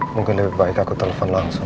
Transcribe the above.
mungkin lebih baik aku telepon langsung